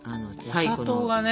お砂糖がね！